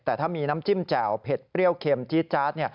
แต่ถ้ามีน้ำจิ้มแจ่วเผ็ดเปรี้ยวเค็มจี๊จาด